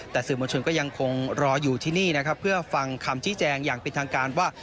แต่สื่อมวลชนก็ยังคงรออยู่ที่นี่นะครับเพื่อฟังคำชี้แจงอย่างเป็นทางการว่า